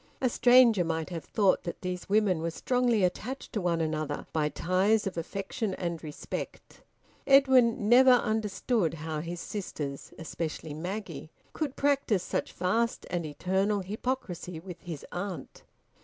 A stranger might have thought that these women were strongly attached to one another by ties of affection and respect. Edwin never understood how his sisters, especially Maggie, could practise such vast and eternal hypocrisy with his aunt.